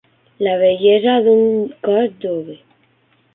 La bellesa d'un cos jove.